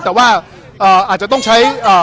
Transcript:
แต่ว่าอาจจะต้องใช้